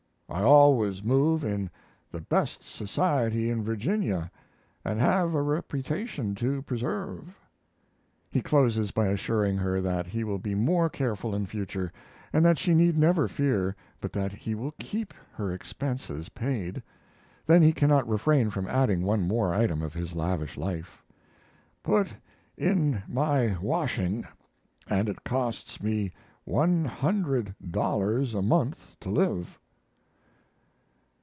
I always move in the best society in Virginia and have a reputation to preserve. He closes by assuring her that he will be more careful in future and that she need never fear but that he will keep her expenses paid. Then he cannot refrain from adding one more item of his lavish life: "Put in my washing, and it costs me one hundred dollars a month to live."